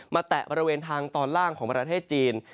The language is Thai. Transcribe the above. แตะบริเวณทางตอนล่างของประเทศจีน